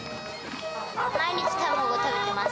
毎日、卵を食べてます。